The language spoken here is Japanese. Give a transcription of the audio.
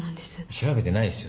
調べてないですよ